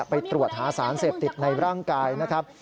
ไปตรวจหาสารเสพติดในร่างกายนะครับ